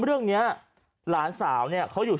เรื่องนี้หลานสาวเนี่ย